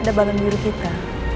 ada bagan biru kita